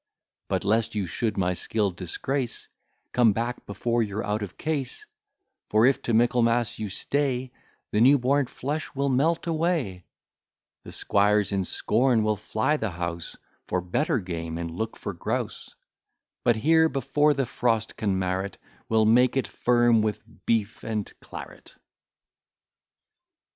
But, lest you should my skill disgrace, Come back before you're out of case; For if to Michaelmas you stay, The new born flesh will melt away; The 'squires in scorn will fly the house For better game, and look for grouse; But here, before the frost can mar it, We'll make it firm with beef and claret.